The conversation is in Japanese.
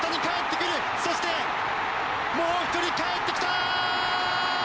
そして、もう１人かえってきた！